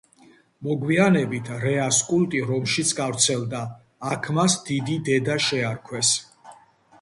მოგვიანებით რეას კულტი რომშიც გავრცელდა, იქ მას დიდი დედა შეარქვეს.